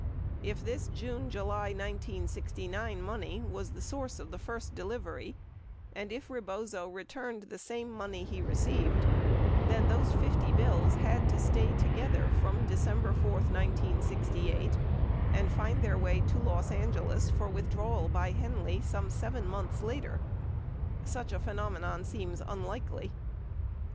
If this June July 1969 money was the source of the first delivery, and if Rebozo returned the same money he re ceived, then those 50 bills had to stay together from December 4, 1968 and find their way to Los Angeles for withdrawal by Henley some 7 months later. Such a phenomenon seems unlikely.